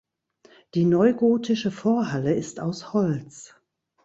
Die neugotische Vorhalle ist aus Holz.